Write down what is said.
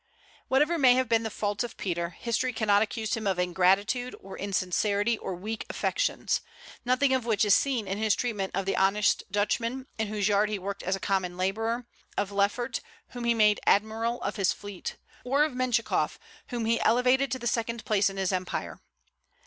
Whatever may have been the faults of Peter, history cannot accuse him of ingratitude, or insincerity, or weak affections, nothing of which is seen in his treatment of the honest Dutchman, in whose yard he worked as a common laborer; of Lefort, whom he made admiral of his fleet; or of Mentchikof, whom he elevated to the second place in his empire.